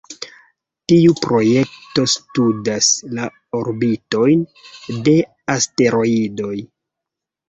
Tiu projekto studas la orbitojn de asteroidoj.